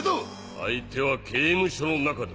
相手は刑務所の中だ。